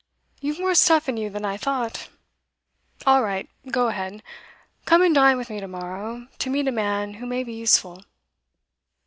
You've more stuff in you than I thought. All right: go ahead. Come and dine with me to morrow, to meet a man who may be useful.